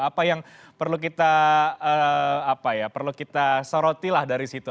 apa yang perlu kita sorotilah dari situ